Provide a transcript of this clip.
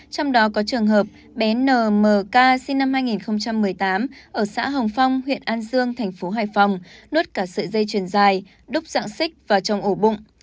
trong đó có trường hợp bé n m k sinh năm hai nghìn một mươi tám ở xã hồng phong huyện an dương thành phố hài phòng nuốt cả sợi dây chuyền dài đúc dạng xích vào trong ổ bụng